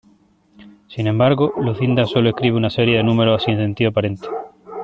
Sin embargo, Lucinda solo escribe una serie de números sin sentido aparente.